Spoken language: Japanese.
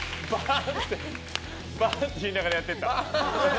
バーンって言いながらやってた。